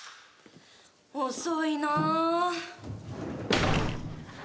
「遅いな」